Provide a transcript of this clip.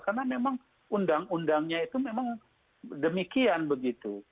karena memang undang undangnya itu memang demikian begitu